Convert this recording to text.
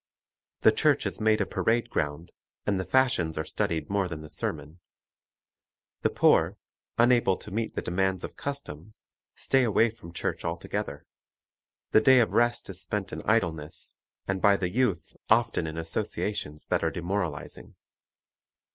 The church is made a parade ground, and the fashions are studied more than the sermon. The poor, unable to meet the demands of custom, stay away from church altogether. The day of rest is spent in idleness, and by the youth often in associations that are demoralizing.